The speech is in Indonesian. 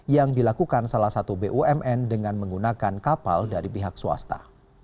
yang dilakukan salah satu bumn dengan menggunakan kapal dari pihak swasta